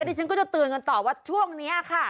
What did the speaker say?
อันนี้ฉันก็จะตื่นกันต่อว่าช่วงนี้ค่ะ